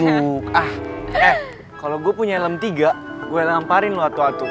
eh kalau gue punya lem tiga gue lamparin lo atu atu